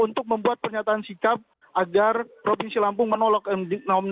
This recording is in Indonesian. untuk membuat pernyataan sikap agar provinsi lampung akan mencapai kemampuan untuk membuat pernyataan sikap